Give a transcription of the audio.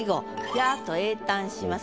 「や」と詠嘆します。